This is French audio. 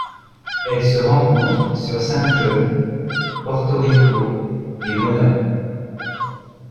Elle se rencontre sur Saint John, Porto Rico et Mona.